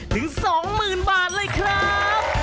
ถึง๒หมื่นบาทเลยครับ